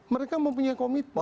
mereka mempunyai komitmen